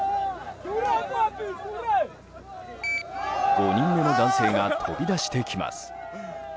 ５人目の男性が飛び出してきます。